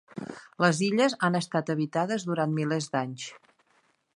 Les illes han estat habitades durant milers d'anys.